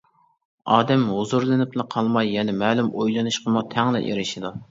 ئادەم ھۇزۇرلىنىپلا قالماي، يەنە مەلۇم ئويلىنىشقىمۇ تەڭلا ئېرىشىدۇ.